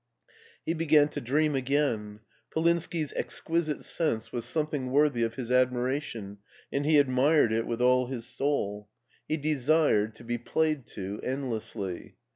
He began to dream again. Polinski's exquisite sense was something worthy of his admiration, and he ad mired it with all his soul. He desired to be played to endlessly.